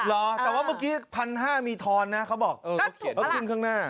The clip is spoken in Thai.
เหรอแต่ว่าเมื่อกี้๑๕๐๐มีทอนนะเขาบอกเขาขึ้นข้างหน้า